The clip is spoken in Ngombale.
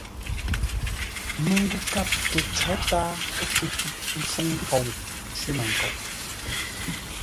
Məngwʉ̂ kâp tə có tǎa fû tʉ́ mpfúŋ nkou cwímənkoʼ.